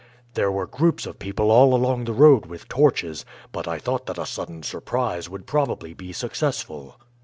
There were groups of people all along the road with torches, but I thought that a sudden surprise would probably be successful.